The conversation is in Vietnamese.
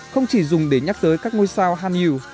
không chỉ dùng để nhắc tới các ngôi sao hanyu